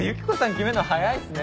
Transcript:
決めんの早いっすね。